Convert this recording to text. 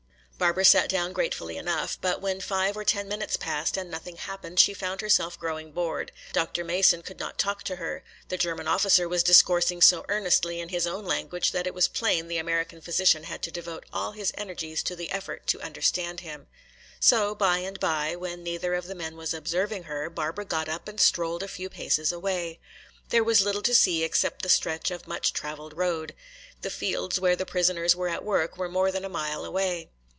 Barbara sat down gratefully enough. But when five or ten minutes passed and nothing happened she found herself growing bored. Dr. Mason could not talk to her. The German officer was discoursing so earnestly in his own language that it was plain the American physician had to devote all his energies to the effort to understand him. So by and by, when neither of the men was observing her, Barbara got up and strolled a few paces away. There was little to see except the stretch of much traveled road. The fields where the prisoners were at work were more than a mile away.